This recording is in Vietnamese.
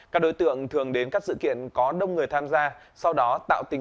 các đối tượng thường đến các sự kiện có đông người tham gia